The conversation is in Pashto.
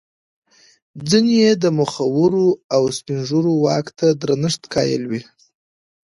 ځیني یې د مخورو او سپین ږیرو واک ته درنښت قایل وي.